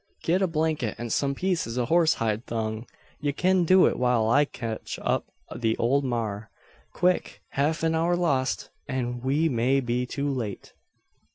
Get a blanket an some pieces o' horse hide thong. Ye kin do it while I catch up the ole maar. Quick! Helf an hour lost, an we may be too late!"